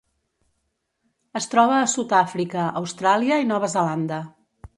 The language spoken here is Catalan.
Es troba a Sud-àfrica, Austràlia i Nova Zelanda.